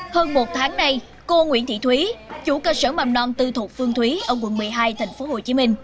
hơn một tháng nay cô nguyễn thị thúy chủ cơ sở mầm non tư thuộc phương thúy ở quận một mươi hai tp hcm